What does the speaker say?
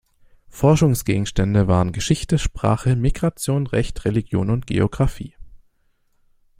Forschungsgegenstände waren Geschichte, Sprache, Migration, Recht, Religion und Geographie.